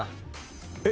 えっ！